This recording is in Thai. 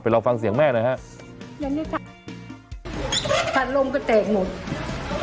ไปเล่าฟังเสียงแม่หน่อยครับ